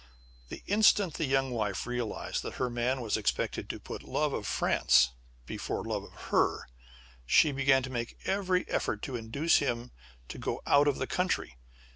The instant the young wife realized that her man was expected to put love of France before love of her, she began to make every effort to induce him to go out of the country.